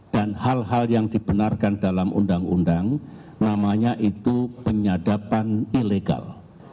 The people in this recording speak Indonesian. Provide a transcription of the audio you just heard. dan hal hal yang dibenarkan dalam undang undang namanya itu penyadapan ilegal